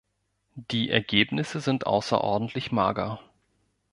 Die Ergebnisse sind außerordentlich mager.